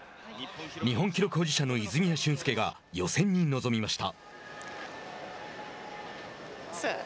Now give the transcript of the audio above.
日本記録保持者の泉谷駿介が予選に臨みました。